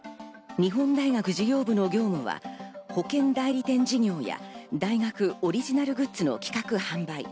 日本大学事業部の業務は保険代理店事業や大学のオリジナルグッズの企画・販売。